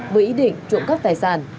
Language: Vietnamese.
với ý định trộm cắt tài sản